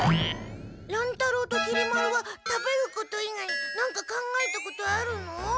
乱太郎ときり丸は食べること以外なんか考えたことあるの？